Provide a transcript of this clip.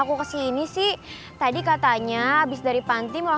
karena hari ini kita jadi pacar